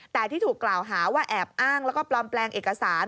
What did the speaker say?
แต่ที่ถูกกล่าวหาว่าแอบอ้างแล้วก็ปลอมแปลงเอกสาร